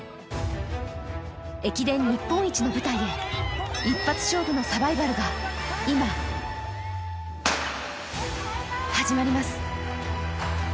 駅伝日本一の舞台へ、一発勝負のサバイバルが、今始まります。